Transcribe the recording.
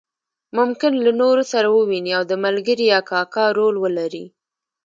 ممکن له نورو سره وویني او د ملګري یا کاکا رول ولري.